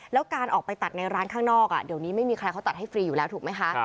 แล้วการออกไปตัดในร้านข้างนอกเดี๋ยวนี้ไม่มีใครเขาตัดให้ฟรีอยู่แล้วถูกไหมคะ